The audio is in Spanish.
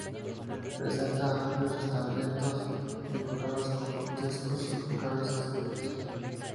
Presenta amplios entablamentos decorados con grutescos y con cabezas de putti.